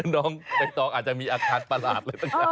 น้องไอ้ต้องอาจจะมีอักทัศน์ประหลาดเลยต่างจากนั้น